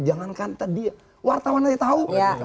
jangan kata dia wartawan dia tahu